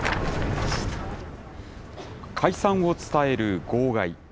解散を伝える号外。